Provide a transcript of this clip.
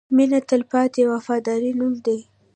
• مینه د تلپاتې وفادارۍ نوم دی.